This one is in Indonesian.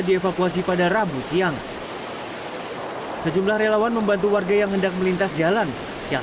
dievakuasi pada rabu siang sejumlah relawan membantu warga yang hendak melintas jalan yang